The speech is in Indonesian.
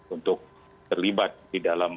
untuk terlibat di dalam